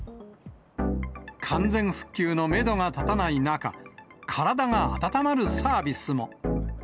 完全復旧のメドが立たない中、体が温まるサービスも。